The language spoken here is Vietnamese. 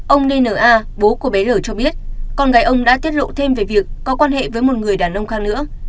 ông dna bố của bé r cho biết con gái ông đã tiết lộ thêm về việc có quan hệ với một người đàn ông khác nữa